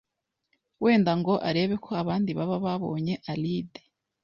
wenda ngo arebe ko abandi baba babonye Alide.